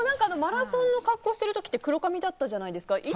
でもマラソンの格好してるときって黒髪だったじゃないですか。